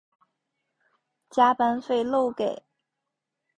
加班费漏给